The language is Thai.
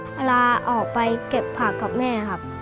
เวลาออกไปเก็บผักกับแม่ครับ